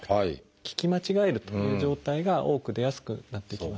聞き間違えるという状態が多く出やすくなっていきますね。